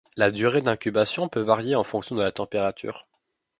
La durée d'incubation peut varier en fonction de la température.